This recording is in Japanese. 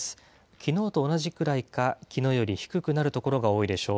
きのうと同じくらいかきのうより低くなる所が多いでしょう。